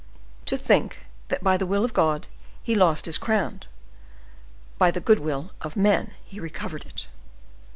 "To think that by the will of God he lost his crown, by the good will of men he recovered it."